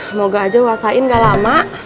semoga aja wasain gak lama